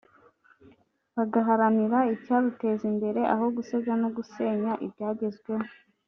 bagaharanira icyaruteza imbere aho gusebya no gusenya ibyagezweho